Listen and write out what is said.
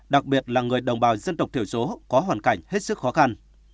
đặc biệt là người đồng bào dân tộc thiểu số có hoàn cảnh hết sức khó khăn